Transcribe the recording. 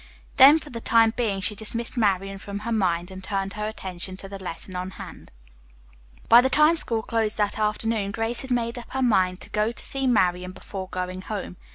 Then for the time being she dismissed Marian from her mind, and turned her attention to the lesson on hand. By the time school closed that afternoon Grace had made up her mind to go to see Marian before going home.